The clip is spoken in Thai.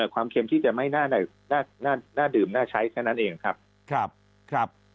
เค็มที่จะไม่น่าดื่มน่าใช้แค่นั้นเองครับ